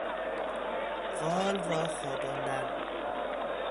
قال را خواباندن